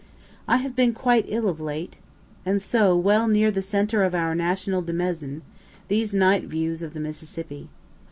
I have been quite ill of late. And so, well near the centre of our national demesne, these night views of the Mississippi.